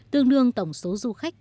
tương đương tổng số du khách